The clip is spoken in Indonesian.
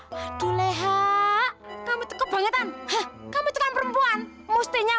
sampai jumpa di episode selanjutnya